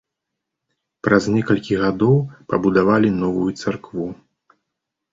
Праз некалькі гадоў пабудавалі новую царкву.